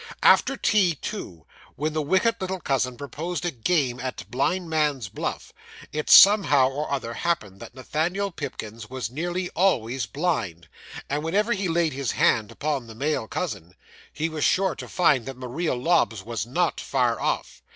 After tea, too, when the wicked little cousin proposed a game at blind man's buff, it somehow or other happened that Nathaniel Pipkin was nearly always blind, and whenever he laid his hand upon the male cousin, he was sure to find that Maria Lobbs was not far off.